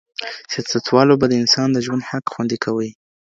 سیاستوالو به د انسان د ژوند حق خوندي کوی.